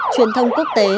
truyền thông quốc tế